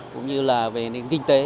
cũng như là về nền kinh tế